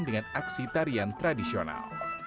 dengan aksi tarian tradisional